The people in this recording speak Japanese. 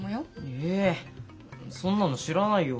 えそんなの知らないよ。